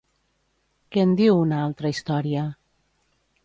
Què en diu una altra història?